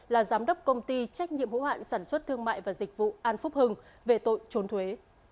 là giám đốc công ty trách nhiệm hữu hạn sản xuất thương mại và dịch vụ an phúc hưng về tội trốn thuế